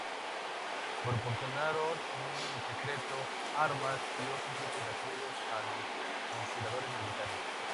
Proporcionaron en secreto armas y otro tipo de apoyo a los conspiradores militares.